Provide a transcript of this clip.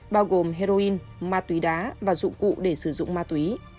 bao gồm heroin ma túy đá và dụng cụ để sử dụng ma túy